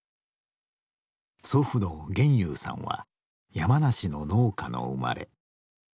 祖父の現祐さんは山梨の農家の生まれ。